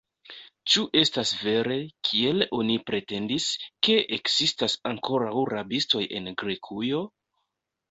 Ĉu estas vere, kiel oni pretendis, ke ekzistas ankoraŭ rabistoj en Grekujo?